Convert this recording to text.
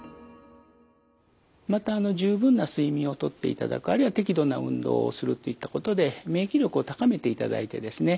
またあの十分な睡眠をとっていただくあるいは適度な運動をするといったことで免疫力を高めていただいてですね